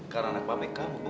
karena anak papi kamu bukan boy